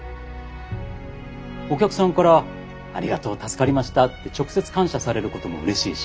お客さんからありがとう助かりましたって直接感謝されることもうれしいし。